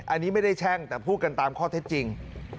อันนี้ไม่ได้แช่งแต่พูดกันตามข้อเท็จจริง